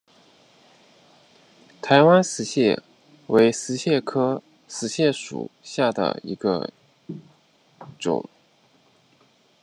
台湾石蟹为石蟹科石蟹属下的一个种。